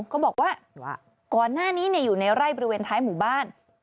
ก็บอกว่าก่อนหน้านี้เนี่ยอยู่ในไล่บริเวณท้ายหมู่บ้าน